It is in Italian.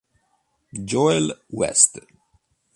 Joel West